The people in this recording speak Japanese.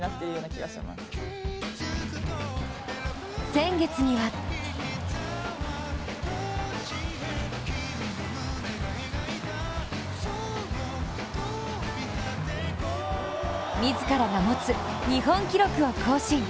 先月には自らが持つ日本記録を更新。